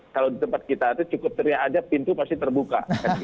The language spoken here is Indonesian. kalau di tempat kita itu cukup teriak aja pintu pasti terbuka